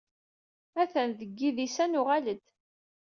Ha-t-an deg yidis-a n uɣlad?